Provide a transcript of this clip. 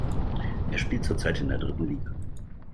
Er spielt zurzeit in der dritten Liga.